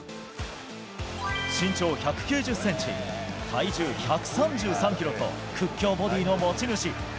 身長１９０センチ、体重１３３キロと、屈強ボディーの持ち主。